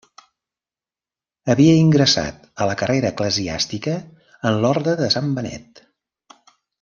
Havia ingressat a la carrera eclesiàstica en l'orde de Sant Benet.